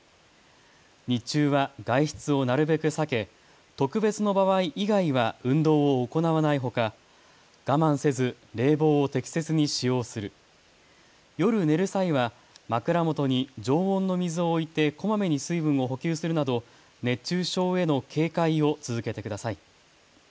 日中は外出をなるべく避け特別の場合以外は運動を行わないほか、我慢せず冷房を適切に使用する、夜、寝る際は枕元に常温の水を置いて、こまめに水分を補給するなど熱中症への警戒を続けてください。